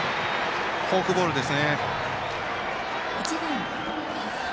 フォークボールですね。